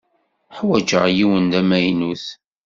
Ḥwajeɣ yiwen d amaynut.